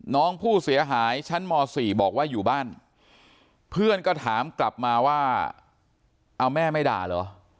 น้องผู้เสียหายชั้นม๔บอกว่าอยู่บ้านเพื่อนก็ถามกลับมาว่าเอาแม่ไม่ด่าเหรอ